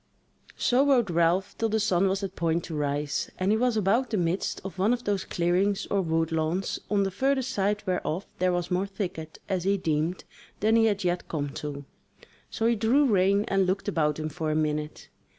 So rode Ralph till the sun was at point to rise, and he was about the midst of one of those clearings or wood lawns, on the further side whereof there was more thicket, as he deemed, then he had yet come to; so he drew rein and looked about him for a minute.